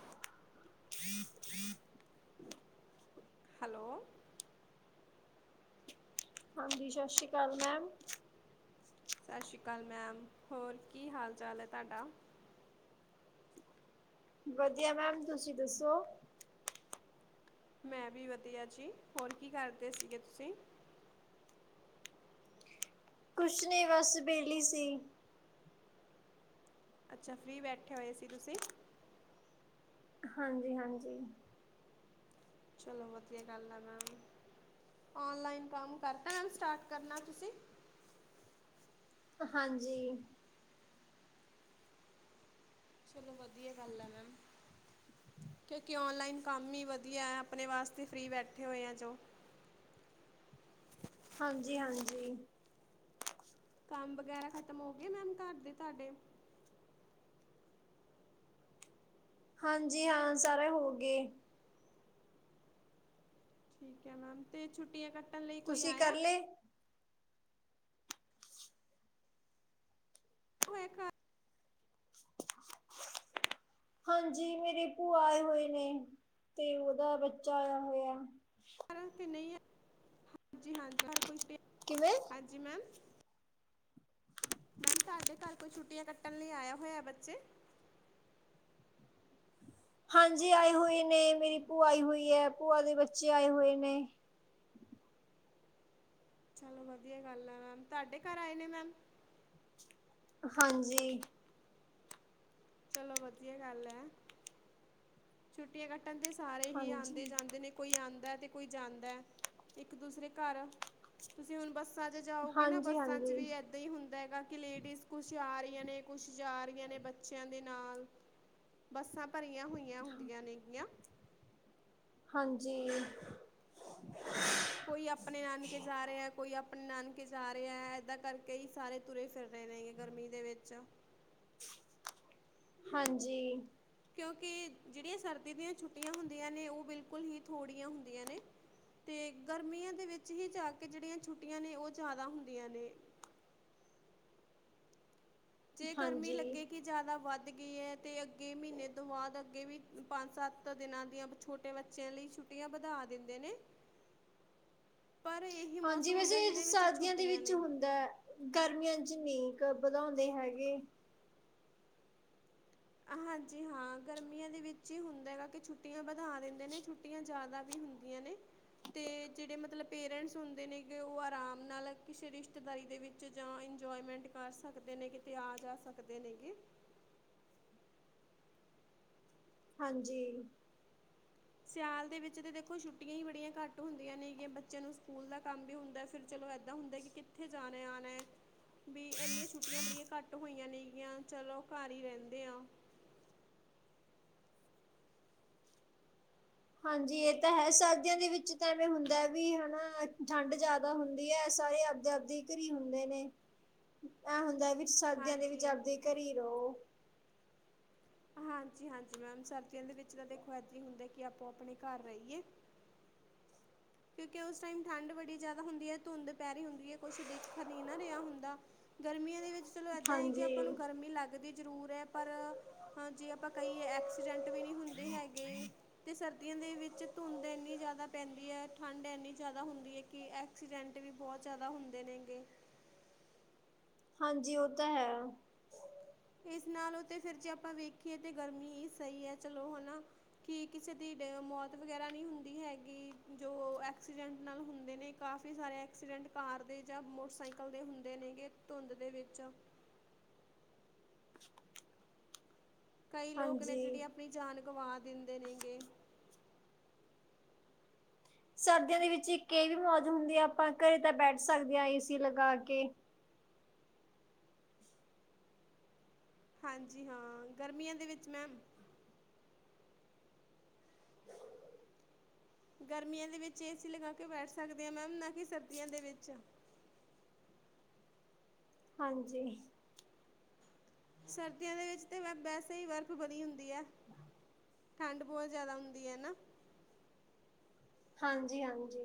[inaudible] Hello. ਹਾਂਜੀ ਸਤਿ ਸ਼੍ਰੀ ਅਕਾਲ ਮੈਮ। ਸਤਿ ਸ਼੍ਰੀ ਅਕਾਲ ਮੈਮ, ਹੋਰ ਕੀ ਹਾਲ ਚਾਲ ਹੈ ਤੁਹਾਡਾ? ਵਧੀਆ ਮੈਮ ਤੁਸੀਂ ਦੱਸੋ? ਮੈਂ ਵੀ ਵਧੀਆ ਜੀ। ਹੋਰ ਕੀ ਕਰਦੇ ਸੀਗੇ ਤੁਸੀਂ? ਕੁਛ ਨਹੀਂ ਬਸ ਵੇਹਲੀ ਸੀ। ਅੱਛਾ ਫਰੀ ਬੈਠੇ ਹੋਏ ਸੀ ਤੁਸੀਂ। ਹਾਂਜੀ, ਹਾਂਜੀ। ਚਲੋ ਵਧੀਆ ਗੱਲ ਆ ਮੈਮ, ਔਨਲਾਈਨ ਕੰਮ ਕਰਤਾ ਮੈਮ ਸਟਾਰਟ ਕਰਨਾ ਤੁਸੀਂ? ਹਾਂਜੀ। ਚਲੋ ਵਧੀਆ ਗੱਲ ਆ ਮੈਮ। ਕਿਉਂਕਿ, ਔਨਲਾਈਨ ਕੰਮ ਹੀ ਵਧੀਆ ਹੈ, ਆਪਣੇ ਵਾਸਤੇ ਫਰੀ ਬੈਠੇ ਹੋਏ ਹੈ ਜੋ। ਹਾਂਜ- ਹਾਂਜੀ! ਕੰਮ ਵਗੈਰਾ ਖਤਮ ਹੋ ਗਏ ਮੈਮ ਘਰ ਦੇ ਤੁਹਾਡੇ? ਹਾਂਜੀ ਹਾਂ ਸਾਰੇ ਹੋ ਗਏ। ਠੀਕ ਹੈ ਮੈਮ ਅਤੇ ਛੁੱਟੀਆਂ ਕੱ ਤੁਸੀਂ ਕਰ ਲਏ? ਓਹ ਇੱਕ [inaudible] ਹਾਂਜੀ ਮੇਰੇ ਭੂਆ ਆਏ ਹੋਏ ਨੇ, ਤੇ ਓਦਾ ਬੱਚਾ ਆਇਆ ਹੋਇਆ। ਤੇ ਨਹੀਂ ਆ ਹਾਂਜੀ, ਹਾਂਜੀ ਹੋਰ ਕੁਛ। ਕਿਵੇਂ? ਹਾਂਜੀ ਮੈਮ। ਮੈਮ ਤੁਹਾਡੇ ਘਰ ਕੋਈ ਛੁੱਟੀਆਂ ਕੱਟਣ ਲਈ ਆਇਆ ਹੋਇਆ ਬੱਚੇ? ਹਾਂਜੀ ਆਏ ਹੋਏ ਨੇ, ਮੇਰੀ ਭੂ ਆਈ ਹੋਈ ਹੈ, ਭੂਆ ਦੇ ਬੱਚੇ ਆਏ ਹੋਏ ਨੇ। ਚਲੋ ਵਧੀਆ ਗੱਲ ਆ, ਮੈਮ ਤੁਹਾਡੇ ਘਰ ਆਏ ਨੇ ਮੈਮ? ਹਾਂਜੀ। ਚਲੋ ਵਧੀਆ ਗੱਲ ਹੈ, ਛੁੱਟੀਆਂ ਕੱਟਣ ਤੇ ਸਾਰੇ ਹੀ ਹਾਂਜੀ ਆਉਂਦੇ ਜਾਂਦੇ ਨੇ। ਕੋਈ ਆਉਂਦਾ ਅਤੇ ਕੋਈ ਜਾਂਦਾ ਇੱਕ ਦੂਸਰੇ ਘਰ, ਤੁਸੀਂ ਹੁਣ ਬਸ ਬੱਸਾਂ ਚ ਜਾਓਗੇ ਨਾ ਹਾਂਜੀ ਬੱਸਾਂ ਚ ਵੀ ਹਾਂਜੀ ਇ ਹੀ ਹੁੰਦਾ ਹੈਗਾ, ਕਿ ਲੇਡੀਜ਼ ਕੁਛ ਆ ਰਹੀਆਂ ਨੇ ਕੁਛ ਜਾ ਰਹੀਆਂ ਨੇ ਬੱਚੇ ਬੱਚਿਆਂ ਦੇ ਨਾਲ ਬੱਸਾਂ ਭਰੀਆਂ ਹੋਈਆਂ ਹੁੰਦੀਆਂ ਨੇਗੀਆਂ। ੱ ਹਾਂਜੀ। [inaudible] ਕੋਈ ਆਪਣੇ ਨਾਨਕੇ ਜਾ ਰਿਹਾ ਹੈ, ਕੋਈ ਆਪਣੇ ਨਾਨਕੇ ਜਾ ਰਿਹਾ ਹੈ। ਏਦਾਂ ਕਰਕੇ ਹੀ ਸਾਰੇ ਤੁਰੇ ਫਿਰ ਰਹੇ ਨੇਗੇ ਗਰਮੀ ਦੇ ਵਿੱਚ। ਹਾਂਜੀ। ਕਿਉਂਕਿ, ਜਿਹੜੀਆਂ ਸਰਦੀ ਦੀਆਂ ਛੁੱਟੀਆਂ ਹੁੰਦੀਆਂ ਨੇ, ਉਹ ਬਿਲਕੁਲ ਹੀ ਥੋੜ੍ਹੀਆਂ ਹੁੰਦੀਆਂ ਨੇ। ਅਤੇ ਗਰਮੀਆਂ ਦੇ ਵਿੱਚ ਹੀ ਜਾ ਕੇ ਜਿਹੜੀਆਂ ਛੁੱਟੀਆਂ ਨੇ ਉਹ ਜ਼ਿਆਦਾ ਹੁੰਦੀਆਂ ਨੇ। ਜੇ ਗਰਮੀ ਹਾਂਜੀ ਲੱਗੇ ਕਿ ਜ਼ਿਆਦਾ ਵੱਧ ਗਈ ਹੈ, ਤੇ ਅੱਗੇ ਮਹੀਨੇ ਤੋਂ ਬਾਅਦ ਅੱਗੇ ਵੀ ਪੰਜ ਸੱਤ ਦਿਨਾਂ ਦੀਆਂ ਛੁੱਟੀਆਂ ਆਪਣੇ ਬੱਚਿਆਂ ਲਈ ਛੁੱਟੀਆਂ ਵਧਾ ਦਿੰਦੇ ਨੇ। ਪਰ ਇਹੀ ਹਾਂਜੀ, ਮੌਸਮ ਵੈਸੇ ਹੁੰਦਾ ਇਹ ਜਿਹਦੇ ਵਿੱਚ ਸ਼ਰਦੀਆਂ ਦੇ ਛੁੱਟੀਆਂ ਵਿੱਚ ਨੇ ਹੁੰਦਾ ਹੈ। ਗਰਮੀਆਂ ਚ ਨਹੀਂ ਕ ਵਧਾਉਂਦੇ ਹੈਗੇ। ਹਾਂਜੀ ਹਾਂ, ਗਰਮੀਆਂ ਦੇ ਵਿੱਚ ਹੀ ਹੁੰਦਾ ਹੈਗਾ ਕਿ ਛੁੱਟੀਆਂ ਵਧਾ ਦਿੰਦੇ ਨੇ ਛੁੱਟੀਆਂ। ਛੁਟੀਆਂ ਜ਼ਿਆਦਾ ਵੀ ਹੁੰਦੀਆਂ ਨੇ। ਅਤੇ ਜਿਹੜੇ ਮਤਲਬ ਪੇਰੈਂਟਸ ਹੁੰਦੇ ਨੇਗੇ, ਉਹ ਆਰਾਮ ਨਾਲ ਕਿਸੇ ਰਿਸ਼ਤੇਦਾਰੀ ਦੇ ਵਿੱਚ ਜਾਂ ਇੰਜੋਏਮੈਂਟ ਕਰ ਸਕਦੇ ਨੇ ਕਿਤੇ ਆ ਜਾ ਸਕਦੇ ਨੇ ਗ। ਹਾਂਜੀ। ਸਿਆਲ ਦੇ ਵਿੱਚ ਤਾਂ ਦੇਖੋ ਛੁੱੀਆਂ ਹੀ ਬੜੀਆਂ ਘੱਟ ਹੁੰਦੀਆਂ ਨੇਗੀਆਂ ਬੱਚਿਆਂ ਨੂੰ ਸਕੂਲ ਦਾ ਕੰਮ ਵੀ ਹੁੰਦਾ ਫਿਰ। ਚਲੋ ਏਦਾਂ ਹੁੰਦਾ ਕਿ ਕਿੱਥੇ ਜਾਣੇ ਆਉਣਾ ਹੈ। ਵੀ ਇੰਨੀਆਂ ਛੁੱਟੀਆਂ ਬੜੀਆਂ ਘੱਟ ਹੋਈਆਂ ਨੇਗੀਆਂ ਚਲੋ ਘਰ ਹੀ ਰਹਿੰਦੇ ਆ। ਹਾਂਜੀ ਇਹ ਤਾਂ ਹੈ ਸਰਦੀਆਂ ਦੇ ਵਿੱਚ ਤਾਂ ਐਵੇਂ ਹੁੰਦਾ ਵੀ ਹਨਾ ਠੰਡ ਜ਼ਿਆਦਾ ਹੁੰਦੀ ਹੈ ਸਾਰੇ ਆਪਦੇ ਘਰੀ ਹੁੰਦੇ ਨੇ ਇਹ ਹੁੰਦਾ ਵੀ ਸਰਦੀਆਂ ਦੇ ਵਿੱਚ ਹਾਂਜੀ ਆਪਦੇ ਘਰੀ ਰਉ। ਹਾਂਜੀ ਹਾਂਜੀ ਮੈਮ ਸਰਦੀਆਂ ਦੇ ਵਿੱਚ ਤਾਂ ਦੇਖੋ ਇੱਦਾਂ ਹੀ ਹੁੰਦਾ ਕਿ ਆਪੋ ਆਪਣੇ ਘਰ ਰਹੀਏ। ਕਿਉਂਕਿ ਉਸ ਟਾਈਮ ਠੰਢ ਬੜੀ ਜ਼ਿਆਦਾ ਹੁੰਦੀ ਹੈ ਧੁੰਦ ਪੈ ਰਹੀ ਹੁੰਦੀ ਹੈ ਕੁਛ ਦੇਖਣ ਨਹੀ ਨਾ ਰਿਹਾ ਹੁੰਦਾ ਗਰਮੀਆਂ ਦੇ ਵਿੱਚ। ਚਲੋ ਇੱਦਾਂ ਹੈ ਕਿ ਹਾਂਜੀ। ਆਪਾਂ ਨੂੰ ਗਰਮੀ ਲੱਗਦੀ ਜ਼ਰੂਰ ਹੈ ਪਰ ਹਾਂ ਜੇ ਆਪਾਂ ਕਹੀਏ ਐਕਸੀਡੈਂਟ ਵੀ ਨਹੀਂ ਹੁੰਦੇ ਹੈਗੇ ਅਤੇ ਸਰਦੀਆਂ ਦੇ ਵਿੱਚ ਧੁੰਦ ਇੰਨੀ ਜ਼ਿਆਦਾ ਪੈਂਦੀ ਹੈ। ਠੰਡ ਐੰਨੀ ਜ਼ਿਆਦਾ ਹੁੰਦੀ ਹੈ ਕਿ ਐਕਸੀਡੈਂਟ ਵੀ ਬਹੁਤ ਜ਼ਿਆਦਾ ਹੁੰਦੇ ਨੇ ਗੇ। ਹਾਂਜੀ ਉਹ ਤਾਂ ਹੈ। ਇਸ ਨਾਲੋਂ ਤੇ ਫਿਰ ਜੇ ਆਪਾਂ ਵੇਖੀਏ ਤੇ ਗਰਮੀ ਹੀ ਸਹੀ ਹੈ ਚਲੋ ਹਨਾ। ਕੀ ਕਿਸੇ ਦੀ ਮੌਤ ਵਗੈਰਾ ਨਹੀਂ ਹੁੰਦੀ ਹੈਗੀ ਜੋ ਐਕਸੀਡੈਂਟ ਨਾਲ ਹੁੰਦੇ ਨੇ। ਕਾਫੀ ਸਾਰੇ ਐਕਸੀਡੈਂਟ ਕਾਰ ਦੇ ਜਾਂ ਮੋਟਰਸਾਈਕਲ ਦੇ ਹੁੰਦੇ ਨੇਗੇ ਧੁੰਦ ਦੇ ਵਿੱਚ। ਕਈ ਲੋਕ ਨੇ ਹਾਂਜੀ। ਜਿਹੜੀ ਆਪਣੀ ਜਾਨ ਗਵਾ ਦਿੰਦੇ ਨੇ ਗੇ। ਸਰਦੀਆਂ ਦੇ ਵਿੱਚ ਇੱਕ ਇਹ ਵੀ ਮੌਜ ਹੁੰਦੀ ਹੈ ਆਪਾਂ ਘਰੇ ਤਾਂ ਬੈਠ ਸਕਦੇ ਹਾਂ ਏ ਸੀ ਲਗਾ ਕੇ। ਹਾਂਜੀ ਹਾਂ ਗਰਮੀਆਂ ਦੇ ਵਿੱਚ ਮੈਮ ਗਰਮੀਆਂ ਦੇ ਵਿੱਚ ਏਸੀ ਲਗਾ ਕੇ ਬੈਠ ਸਕਦੇ ਹਾਂ ਮੈਮ ਨਾ ਕਿ ਸਰਦੀਆਂ ਦੇ ਵਿੱਚ। ਹਾਂਜੀ। ਸਰਦੀਆਂ ਦੇ ਵਿੱਚ ਤੇ ਮੈਮ ਵੈਸੇ ਹੀ ਬਰਫ਼ ਬਣੀ ਹੁੰਦੀ ਹੈ। ਠੰਡ ਬਹੁਤ ਜ਼ਿਆਦਾ ਹੁੰਦੀ ਹੈ ਨਾ। ਹਾਂਜੀ ਹਾਂਜੀ।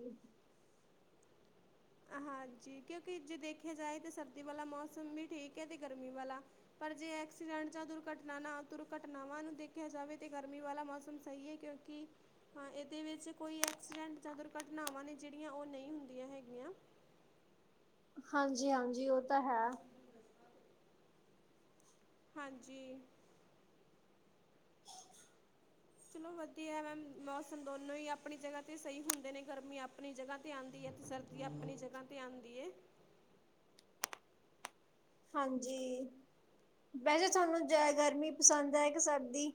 ਹਾਂਜੀ ਕਿਉਂਕਿ ਜੇ ਦੇਖਿਆ ਜਾਏ ਤਾਂ ਸਰਦੀ ਵਾਲਾ ਮੌਸਮ ਵੀ ਠੀਕ ਹੈ ਤੇ ਗਰਮੀ ਵਾਲਾ। ਪਰ ਜੇ ਐਕਸੀਡੈਂਟ ਜਾਂ ਦੁਰਘਟਨਾ ਦੁਰਘਟਨਾਵਾਂ ਨੂੰ ਦੇਖਿਆ ਜਾਵੇ ਤੇ ਗਰਮੀ ਵਾਲਾ ਮੌਸਮ ਸਹੀ ਹੈ ਕਿਉਂ ਕਿ ਹਾਂ ਇਹਦੇ ਵਿੱਚ ਕੋਈ ਐਕਸੀਡੈਂਟ ਜਾਂ ਦੁਰਘਟਨਾਵਾਂ ਨੇ ਜਿਹੜੀਆਂ ਉਹ ਨਹੀਂ ਹੁੰਦੀਆਂ ਹੈਗੀਆਂ। ਹਾਂਜੀ ਹਾਂਜੀ ਉਹ ਤਾਂ ਹੈ। ਹਾਂਜੀ। ਚਲੋ ਵਧੀਆ ਮੈਮ ਮੌਸਮ ਦੋਨੋ ਹੀ ਆਪਣੀ ਜਗ੍ਹਾ ਤੇ ਸਹੀ ਹੁੰਦੇ ਨੇ ਗਰਮੀ ਆਪਣੀ ਜਗ੍ਹਾ। ਤੇ ਆਉਂਦੀ ਹੈ ਤੇ ਸਰਦੀ ਆਪਣੀ ਜਗ੍ਹਾ ਤੇ ਆਉਂਦੀ ਏ ਹਾਂਜੀ ਵੈਸੇ ਸਾਨੂੰ ਜਿਆਦਾ ਗਰਮੀ ਪਸੰਦ ਹੈ ਕੇ ਸਰਦੀ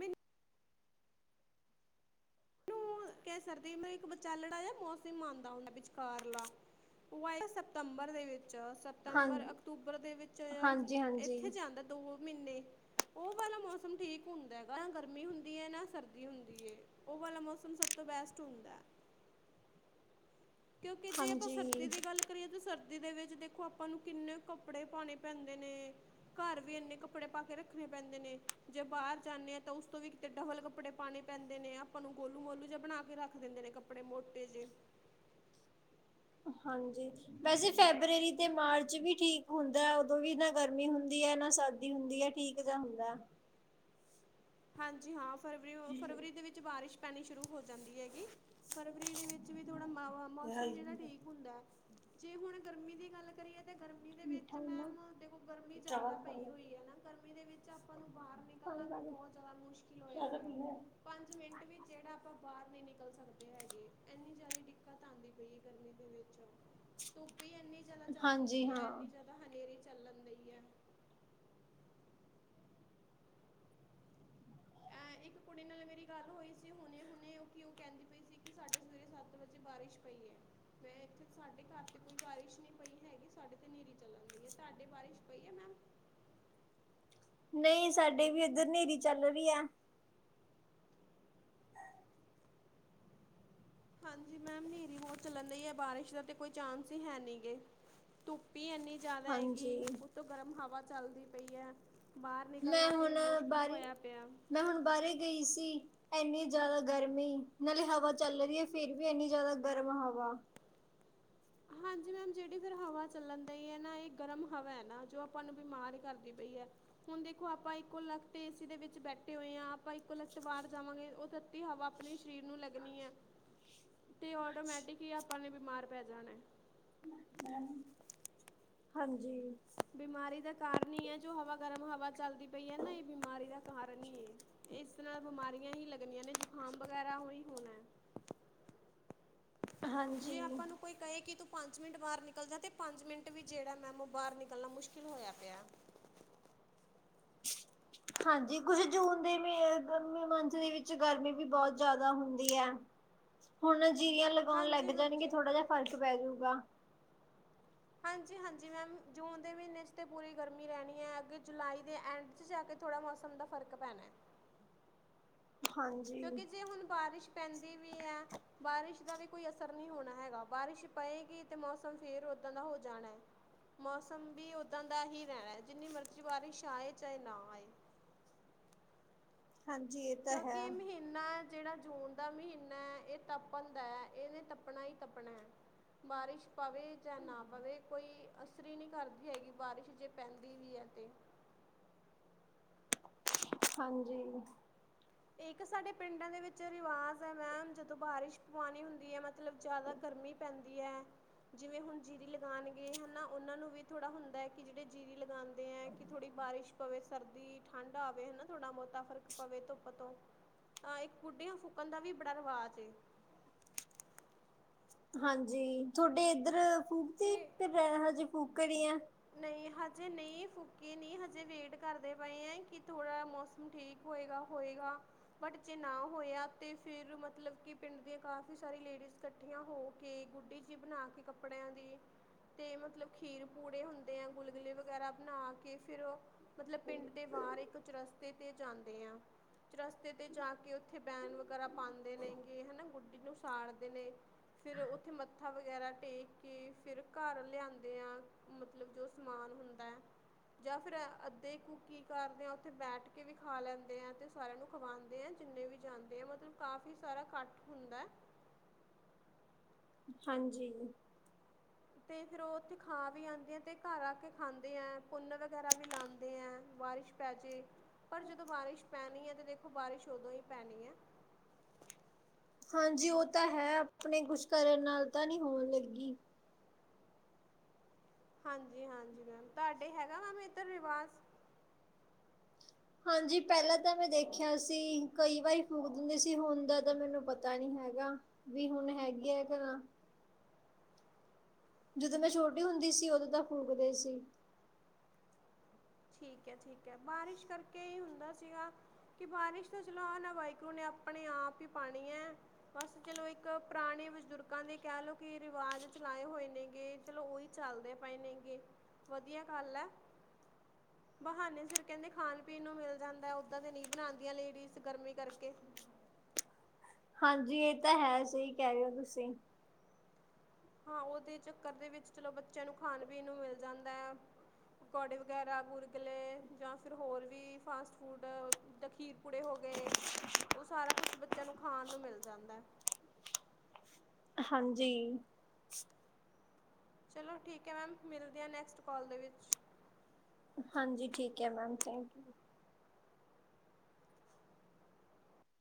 ਮਿੰਨ ਮੈਨੂੰ ਕਹਿ ਸਕਦੇ ਇੱਕ ਵਿਚਾਲੜਾ ਮੌਸਮ ਆਉਂਦਾ ਹੁੰਦਾ ਵਿਚਕਾਰਲਾ। ਉਹ ਆਇ ਸਤੰਬਰ ਦੇ ਵਿੱਚ ਸ ਹਾਂ ਸਤੰਬਰ ਅਕਤੂਬਰ ਦੇ ਵਿੱਚ ਹਾਂਜੀ ਹਾਂਜੀ ਇੱਥੇ ਜਾਂਦਾ ਦੋ। ਮਹੀਨੇ ਉਹ ਵਾਲਾ ਮੌਸਮ ਠੀਕ ਹੁੰਦਾ ਹੈਗਾ ਨਾ ਗਰਮੀ ਹੁੰਦੀ ਹੈ ਨਾ ਸਰਦੀ ਹੁੰਦੀ ਹੈ। ਉਹ ਵਾਲਾ ਮੌਸਮ ਸਭ ਤੋਂ ਬੈਸਟ ਹੁੰਦਾ। ਕਿਉਂਕਿ ਜੇ ਆਪਾਂ ਸਰਦੀ ਹਾਂਜੀ ਦੀ ਗੱਲ ਕਰੀਏ ਤਾਂ ਸਰਦੀ ਦੇ ਵਿੱਚ ਦੇਖੋ ਆਪਾਂ ਨੂੰ ਕਿੰਨੇ ਕੱਪੜੇ ਪਾਣੇ ਪੈਂਦੇ ਨੇ। ਘਰ ਵੀ ਇੰਨੇ ਕੱਪੜੇ ਪਾ ਕੇ ਰੱਖਣੇ ਪੈਂਦੇ ਨੇ। ਜੇ ਬਾਹਰ ਜਾਂਨੇ ਆ ਤਾਂ ਉਸ ਤੋਂ ਵੀ ਕਿਤੇ ਡਬਲ ਕੱਪੜੇ ਪਾਣੇ ਪੈਂਦੇ ਨੇ, ਆਪਾਂ ਨੂੰ ਗੋਲੂ- ਮੋਲੂ ਜਿਆ ਬਣਾ ਕੇ ਰੱਖ ਦਿੰਦੇ ਨੇ ਕੱਪੜੇ ਕਪੜੇ ਮੋਟੇ ਜੇ ਹਾਂਜੀ ਵੈਸੇ ਫੈਬਰਰੀ ਤੇ ਮਾਰਚ ਵੀ ਠੀਕ ਹੁੰਦੈ ਉਦੋਂ ਵੀ ਨਾ ਗਰਮੀ ਹੁੰਦੀ ਐ ਨਾ ਸਰਦੀ ਹੁੰਦੀ ਐ ਠੀਕ ਜਾ ਹੁੰਦਾ। ਹਾਂਜੀ ਹਾਂ ਫਰਵਰੀ-ਫਰਵਰੀ ਦੇ ਵਿੱਚ ਬਾਰਿਸ਼ ਪੈਣੀ ਸ਼ੁਰੂ ਹੋ ਜਾਂਦੀ ਹੈਗੀ। ਫਰਵਰੀ ਦੇ ਵਿੱਚ ਵੀ ਥੋੜਾ ਮ ਮੌਸਮ ਜੇੜਾ ਠੀਕ ਹੁੰਦੈ। ਜੇ ਹੁਣ ਗਰਮੀ ਦੀ ਗੱਲ ਕਰੀਏ ਤੇ ਗਰਮੀ ਦੇ ਵਿੱਚ ਮਿੱਠਾ ਹੁੰਦਾ ਮੈਮ ਦੇਖੋ ਗਰਮੀ ਜਾਦਾ ਪਈ ਪਾਣੀ ਹੋਈ ਐ ਨਾ ਗਰਮੀ ਦੇ ਵਿੱਚ ਆਪਾਂ ਨੂੰ ਬਾਰ ਨਿਕਲਣਾ ਵੀ ਪਾ ਦੇ ਬੋ ਜਾਦਾ ਮੁਸ਼ਕਿਲ ਹੋਇਆ ਪਿਆ ਪੰਜ ਮਿੰਟ ਵਿੱ ਜੇੜਾ ਆਪਾਂ ਬਾਰ ਨੀ ਨਿਕਲ ਸਕਦੇ ਹੈਗੇ। ਐਨੀ ਜਾਦੇ ਡੀਕਤ ਆਂਦੀ ਪਈ ਐ ਗਰਮੀ ਦੇ ਵਿੱਚ ਧੁੱਪ ਈ ਇੰਨੀ ਜਾਦਾ ਚੱਲਣ ਹਾਂਜੀ ਦਈ ਐ, ਹਾਂ ਐਨੀ ਜਾਦਾ ਹਨੇਰੀ ਚੱਲਣ ਦਈ ਐ। ਐ ਇੱਕ ਕੁੜੀ ਨਾਲ ਮੇਰੀ ਗੱਲ ਹੋਈ ਸੀ ਹੁਣੇ-ਹੁਣੇ ਓ ਕੀ ਓ ਕੈਂਦੀ ਪਈ ਸੀ ਕੀ ਸਾਡੇ ਸਵੇਰੇ ਸੱਤ ਵਜੇ ਬਾਰਿਸ਼ ਪਈ ਐ। ਮੈਂ ਇੱਥੇ ਸਾਡੇ ਘਰ ਤੇ ਕੋਈ ਬਾਰਿਸ਼ ਨੀ ਪਈ ਹੈਗੀ ਸਾਡੇ ਤੇ ਨੇਰੀ ਚੱਲਣਦੀ ਐ ਤੁਹਾਡੇ ਬਾਰਿਸ਼ ਪਈ ਐ ਮੈਮ? ਨਈ ਸਾਡੇ ਵੀ ਇੱਧਰ ਨੇਰੀ ਚੱਲ ਰੀਆ। ਹਾਂਜੀ ਮੈਮ ਨੇਰੀ ਬੋਤ ਚੱਲਣ ਦਈ ਐ ਬਾਰਿਸ਼ ਦਾ ਤੇ ਕੋਈ ਚਾਂਸ ਈ ਹੈ ਨੀ ਗੇ। ਧੁੱਪ ਈ ਐੰਨੀ ਜਾਦਾ ਹੈਗੀ, ਹਾਂਜੀ ਉੱਤੋਂ ਗਰਮ ਹਵਾ ਚੱਲਦੀ ਪਈ ਐ। ਬਾਰ ਮੈਂ ਨਿਕਲਣਾ ਤੇ ਹੁਣ ਮੁਸ਼ਕਿਲ ਬਾਰੀ ਹੋਇਆ ਪਿਆ। ਮੈਂ ਹੁਣ ਬਾਰੇ ਗਈ ਸੀ। ਐਨੀ ਜਾਦਾ ਗਰਮੀ ਨਾਲੇ ਹਵਾ ਚੱਲ ਰੀਆ ਫੇਰ ਵੀ ਇੰਨੀ ਜਾਦਾ ਗਰਮ ਹਵਾ ਹਾਂਜੀ ਮੈਮ ਜੇੜੀ ਫੇਰ ਹਵਾ ਚੱਲਣ ਦਈ ਐ ਨਾ ਏ ਗਰਮ ਹਵਾ ਐ ਨਾ ਜੋ ਆਪਾਂ ਨੂੰ ਬਿਮਾਰ ਕਰਦੀ ਪਈ ਐ। ਹੁਣ ਦੇਖੋ ਆਪਾਂ ਇੱਕੋ ਲਤ ਏਸੀ ਦੇ ਵਿੱਚ ਬੈਠੇ ਹੋਏ ਆ ਆਪਾਂ ਇੱਕੋ ਲੱਖਤ ਬਾਰ ਜਾਵਾਂਗੇ ਓ ਤਾਂ [unintelligible] ਹਵਾ ਆਪਣੇ ਸਰੀਰ ਨੂੰ ਲੱਗਣੀ ਐ ਤੇ ਆਟੋਮੈਟਿਕ ਈ ਆਪਾਂ ਨੇ ਬਿਮਾਰ ਪੈ ਜਾਣੇ। ਮੈਮ ਹਾਂਜੀ। ਬਿਮਾਰੀ ਦਾ ਕਾਰਨ ਈ ਐ ਜੋ ਹਵਾ ਗਰਮ ਹਵਾ ਚੱਲਦੀ ਪਈ ਐ ਨਾ ਏ ਬਿਮਾਰੀ ਦਾ ਕਾਰਨ ਈ ਏ। ਇਸ ਨਾਲ ਬਿਮਾਰੀਆਂ ਹੀ ਲੱਗਣੀਆਂ ਨੇ ਜੁਕਾਮ ਵਗੈਰਾ ਹੋ ਈ ਹੋਣਾ। ਹਾਂਜੀ। ਕੋਈ ਕਏ ਕੀ ਤੂੰ ਪੰਜ ਮਿੰਟ ਬਾਰ ਨਿਕਲ ਜਾ ਤੇ ਪੰਜ ਮਿੰਟ ਵੀ ਜੇੜਾ ਮੈਮ ਓ ਬਾਰ ਨਿਕਲਣਾ ਮੁਸ਼ਕਿਲ ਹੋਇਆ ਪਿਆ। [inaudible] ਹਾਂਜੀ ਕੁਛ ਜੂਨ ਦੇ ਮ ਗਰਮੀ ਮੰਥ ਦੇ ਵਿੱਚ ਗਰਮੀ ਵੀ ਬੋਤ ਜਾਦਾ ਹੁੰਦੀ ਐ। [inaudible] ਹੁਣ ਜੀਰੀਆਂ ਲਗੋਣ ਲੱਗ ਜਾਣਗੇ ਹਾਂਜੀ-ਹਾਂਜੀ। ਥੋੜਾ ਜਾ ਫ਼ਰਕ ਪੈਜੂਗਾ। ਹਾਂਜੀ-ਹਾਂਜੀ ਮੈਮ ਜੂਨ ਦੇ ਮੀਨੇ ਚ ਤਾਂ ਪੂਰੀ ਗਰਮੀ ਰੈਣੀ ਐ ਅੱਗੇ ਜੁਲਾਈ ਦੇ ਐਂਡ ਚ ਜਾ ਕੇ ਥੋੜਾ ਮੌਸਮ ਦਾ ਫ਼ਰਕ ਪੈਣਾ। ਹਾਂਜੀ। ਕਿਉਂਕੀ ਜੇ ਹੁਣ ਬਾਰਿਸ਼ ਪੈਂਦੀ ਵੀ ਐ ਬਾਰਿਸ਼ ਦਾ ਵੀ ਕੋਈ ਅਸਰ ਨੀ ਹੋਣਾ ਹੈਗਾ ਬਾਰਿਸ਼ ਪਏਗੀ ਤੇ ਮੌਸਮ ਫੇਰ ਉਦਾਂ ਦਾ ਹੋ ਜਾਣਾ। ਮੌਸਮ ਵੀ ਉੱਦਾਂ ਦਾ ਹੀ ਰੈਣਾ, ਜਿੰਨੀ ਮਰਜ਼ੀ ਬਾਰਿਸ਼ ਆਏ ਚਾਏ ਨਾ ਆਏ। ਹਾਂਜੀ ਏ ਕਿਉਂਕੀ ਏ ਮਹੀ ਨਾ ਜੇੜਾ ਜੂਨ ਦਾ ਮਹੀਨਾ ਐ ਏ ਤਪਣਦਾ ਐ ਏਨੇ ਤਪਣਾ ਈ ਤੱਪਣਾ ਐ। ਬਾਰਿਸ਼ ਪਵੇ ਜਾਂ ਨਾ ਪਵੇ, ਕੋਈ ਅਸਰੀ ਨੀ ਕਰਦੀ ਹੈਗੀ ਬਾਰਿਸ਼ ਜੇ ਪੈਂਦੀ ਵੀ ਐ ਤੇ ਹਾਂਜੀ। ਇੱਕ ਸਾਡੇ ਪਿੰਡਾਂ ਦੇ ਵਿੱਚ ਰਿਵਾਜ਼ ਐ ਮੈਮ ਜਦੋਂ ਬਾਰਿਸ਼ ਪਵਾਂਣੀ ਹੁੰਦੀ ਐ ਮ ਮਤਲਬ ਜਾਦਾ ਗਰਮੀ ਪੈਂ ਜਿਵੇਂ ਹੁਣ ਜੀਰੀ ਲਗਾਉਣਗੇ ਹਨਾ ਉਹਨਾਂ ਨੂੰ ਵੀ ਥੋੜਾ ਹੁੰਦਾ ਹੈ ਕਿ ਜਿਹੜੇ ਜੀਰੀ ਲਗਾਉਣ। ਦੇ ਏ ਕਿ ਥੋੜੀ ਬਾਰਿਸ਼ ਪਵੇ ਸਰਦੀ ਠੰਢ ਆਵੇ ਹਨਾ ਥੋੜਾ ਬੋਤਾ ਫ਼ਰਕ ਪਵੇ ਧੂ- ਪ ਤੋਂ ਹ ਇੱਕ ਗੁੱਢੀਆਂ ਫੂਕਣ ਦਾ ਵੀ ਬੜਾ ਰਿਵਾਜ਼ ਏ। ਹਾਂਜੀ ਤੁਹਾਡੇ ਇੱਧਰ ਫੂਕਤੀ, ਕਿ ਤੇ ਮੈ ਹਜੇ ਫੂਕ ਰੀ ਆ। ਨਹੀਂ ਹਜੇ ਨਹੀਂ ਫੂਕੀ ਨਹੀਂ ਹਜੇ ਵੇਟ ਕਰਦੇ ਪਏ ਹੈਂ ਕਿ ਥੋੜਾ ਮੌਸਮ ਠੀਕ ਹੋਏਗਾ-ਹੋਏਗਾ। ਭਟ ਜੇ' ਨਾ ਹੋਇਆ ਤੇ ਫੇਰ ਮਤਲਬ ਕਿ ਪਿੰਡ ਦੀਆਂ ਕਾਫੀ ਸਾਰੀ ਲੇਡੀਜ਼ ਕ- ਠੀਆਂ ਹੋ ਕੇ ਗੁੱਡੀ ਚ' ਬਣਾ ਕੇ ਕੱਪੜਿਆਂ ਦੀ ਤੇ ਮਤਲਬ ਖੀਰ ਪੂੜੇ ਹੁੰਦ- ਦੇ ਆ ਗੁਲਗੁਲੇ ਵਗੈਰਾ ਬਣਾ ਕੇ ਫੇਰ ਉਹ ਮਤਲਬ ਪਿੰਡ ਦੇ ਬਾਹਰ ਇੱਕ ਚੋ ਰਸਤੇ ਤੇ ਜਾਂਦੇ ਆ। ਚੋਰਸਤੇ ਤੇ ਜਾ ਕੇ ਉੱਥੇ ਬੈਨ ਵਗੈਰਾ ਪਾਂਉਦੇ ਨੇ ਗੇ, ਹਨਾ ਗੁੱਡੀ ਨੂੰ ਸਾੜਦੇ ਨੇ ਫੇਰ ਉੱਥੇ ਮੱਥਾ ਵਗੈਰਾ ਟੇਕ ਕੇ ਫੇਰ ਘਰ ਲਿਆਂਂਦੇ ਹਾਂ। ਮਤਲਬ ਜੋ ਸਮਾਨ ਹੁੰਦਾ ਐ। ਜਾਂ ਫੇਰ ਅੱਧੇ ਕੁ' ਕੀ ਕਰਦੇ ਆ ਉੱਥੇ ਬੈਠ ਕੇ ਵੀ ਖਾ ਲੈਂਦੇ ਆ ਤੇ ਸਾਰਿਆਂ ਨੂੰ ਖਵਾਉਂਦੇ ਹੈ ਜਿੰਨੇ ਵੀ ਜਾਂਦੇ ਹੈ ਮਤਲਬ ਕਾਫੀ ਸਾਰਾ ਕੱਠ ਹੁੰਦਾ ਐ। ਹਾਂਜੀ। ਤੇ' ਫੇਰ ਉਹ ਉੱਥੇ ਖਾ ਵੀ ਆਉਂਦੇ ਆ ਤੇ ਘਰ ਆ ਕੇ ਖਾਂਦੇ ਆ ਪੁੰਨ ਵਗੈਰਾ ਵੀ ਲਾਉਂਦੇ ਆ ਬਾਰਿਸ਼ ਪੈ ਜੇ, ਪਰ ਜਦੋਂ ਬਾਰਿਸ਼ ਪੈਣੀ ਐ ਤੇ ਦੇਖੋ ਬਾਰਿਸ਼ ਉਦੋਂ ਹੀ ਪੈਣੀ ਐ। ਹਾਂਜੀ ਉਹ ਤਾਂ ਹੈ ਆਪਣੇ ਕੁਛ ਕਰਨ ਨਾਲ ਤਾਂ ਨਹੀਂ ਹੋਣ ਲੱਗੀ। ਹਾਂਜੀ-ਹਾਂਜੀ ਮੈਮ ਤੁਹਾਡੇ ਹੈਗਾ ਮੈਮ ਇੱਧਰ ਰਿਵਾਜ਼। ਹਾਂਜੀ ਪਹਿਲਾਂ ਤਾਂ ਮੈਂ ਦੇਖਿਆ ਸੀ ਕਈ ਵਾਰੀ ਫੂਕ ਦਿੰਦੇ ਸੀ ਹੁਣ ਦਾ ਤਾਂ ਮੈਨੂੰ ਪਤਾ ਨਹੀਂ ਹੈਗਾ। ਵੀ ਹੁਣ ਹੈਗੀ ਆ ਕ ਨਾ। ਜਦੋਂ ਮੈਂ ਛੋਟੀ ਹੁੰਦੀ ਸੀ ਉਦੋਂ ਤਾਂ ਫੂਕਦੇ ਸੀ। ਠੀਕ ਹੈ-ਠੀਕ ਹੈ ਬਾਰਿਸ਼ ਕਰਕੇ ਹੀ ਹੁੰਦਾ ਸੀਗਾ। ਕਿ ਬਾਰਿਸ਼ ਤਾਂ ਚਲੋ ਆ ਨਾ ਵਾਈਕੁਰੂ ਨੇ ਆਪਣੇ ਆਪ ਹੀ ਪਾਣੀ ਐ। ਬਸ ਚਲੋ ਇੱਕ ਪੁਰਾਣੇ ਬਜ਼ੁਰਗਾਂ ਦੇ ਕਹਿ ਲਓ ਕਿ ਰਿਵਾਜ਼ ਚਲਾਏ ਹੋਏ ਨੇਗੇੇ। ਚਲੋ ਉਹੀ ਚੱਲਦੇ ਪਏ ਨੇਗੇ ਵਧੀਆ ਗੱਲ ਹੈ। ਬਹਾਨੇ ਸਿਰ ਕਹਿੰਦੇ ਖਾਣ- ਪੀਣ ਨੂੰ ਮਿਲ ਜਾਂਦਾ ਓਦਾਂ ਤੇ ਨਹੀਂ ਬਣਾਉਂਦੀਆਂ ਲੇਡੀਜ਼ ਗਰਮੀ ਕਰਕੇ। ਹਾਂਜੀ ਇਹ ਤਾਂ ਹੈ ਸਹੀ ਕਹਿ ਰਹੇ ਹੋ ਤੁਸੀਂ। ਹਾਂ ਉਹਦੇ ਚੱਕਰ ਦੇ ਵਿੱਚ ਚਲੋ ਬੱਚਿਆਂ ਨੂੰ ਖਾਣ- ਪੀਣ ਨੂੰ ਮਿਲ ਜਾਂਦਾ ਹੈ। ਪਕੌੜੇ ਵਗੈਰਾ ਗੁਲਗੁਲੇ ਜਾਂ ਫੇਰ ਹੋਰ ਵੀ ਫਾਸਟ ਫੂਡ ਤ ਖੀਰ ਟਕੜੇ ਹੋ ਗਏ ਉਹ ਸਾਰਾ ਕੁਛ ਬੱਚਿਆਂ ਨੂੰ ਖਾਣ ਨੂੰ ਮਿਲ ਜਾਂਦਾ ਐ। ਹਾਂਜੀ। ਚਲੋ ਠੀਕ ਹੈ ਮੈਮ ਮਿਲਦੀ ਹਾਂ ਨੈਕਸਟ ਕੋਲ ਦੇ ਵਿੱਚ। ਹਾਂਜੀ ਠੀਕ ਹੈ ਮੈਮ ਥੈਂਕ ਯੂ।